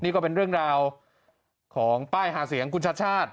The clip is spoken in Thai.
นี่ก็เป็นเรื่องราวของป้ายหาเสียงคุณชาติชาติ